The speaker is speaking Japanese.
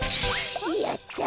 やった！